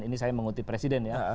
ini saya mengutip presiden ya